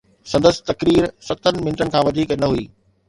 سندس تقرير ستن منٽن کان وڌيڪ نه هئي.